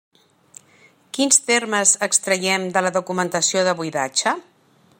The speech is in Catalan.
Quins termes extraiem de la documentació de buidatge?